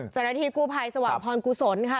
เจ้าหน้าที่กู้ภัยสว่างพรกุศลค่ะ